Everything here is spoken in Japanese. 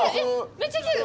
めっちゃ来てる。